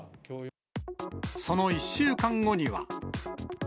その１週間後には。